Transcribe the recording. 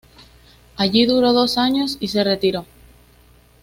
Allí duró dos años y se retiró.